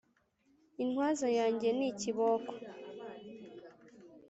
Indwaza yanjye ni ikiboko